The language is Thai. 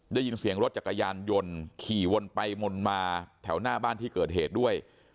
ได้ยินเสียงรถจักรยานยนต์ขี่วนไปวนมาแถวหน้าบ้านที่เกิดเหตุด้วย